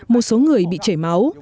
một số người bị chảy máu